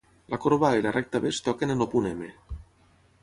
La corba a i la recta b es toquen en el punt M.